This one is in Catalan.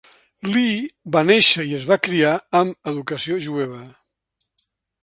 Lee va néixer i es va criar amb educació jueva.